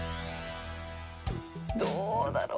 どうだろう。